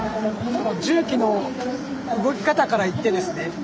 重機の動き方からいってですね